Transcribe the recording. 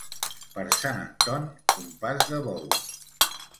Per Sant Anton, un pas de bou.